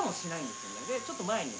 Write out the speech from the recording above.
でちょっと前に。